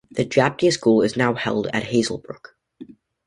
The Japanese school is now held at Hazelbrook.